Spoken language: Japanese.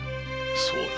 そうだ。